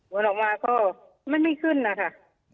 ผลออกมาก็มันไม่ขึ้นอะค่ะ